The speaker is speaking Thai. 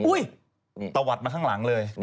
ตะวัดมาข้างหลังเลย